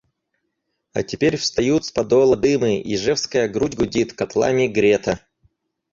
А теперь встают с Подола дымы, ижевская грудь гудит, котлами грета.